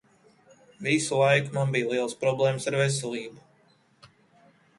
Visu laiku man bija lielas problēmas ar veselību.